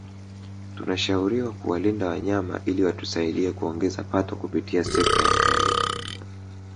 Tunashauriwa kuwalinda wanyama ili watusaidie kuongeza pato kupitia sekta ya utalii